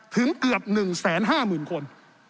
ถึงเกือบ๑แสน๕หมื่นคน